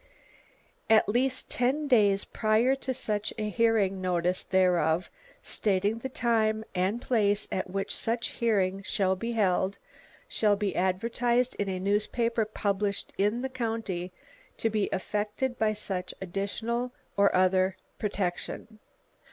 At least ten days prior to such hearing notice thereof, stating the time and place at which such hearing shall be held, shall be advertised in a newspaper published in the county to be affected by such additional or other protection.